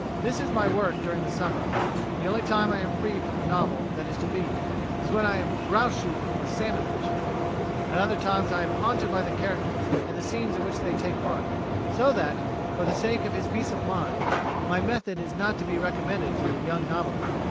This is my work during the summer; the only time I am free from the novel that is to be is when I am grouse shooting or salmon fishing. At other times I am haunted by the characters and the scenes in which they take part, so that, for the sake of his peace of mind, my method is not to be recommended to the young novelist.